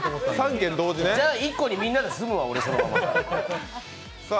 じゃあ、１個にみんなで住むわ。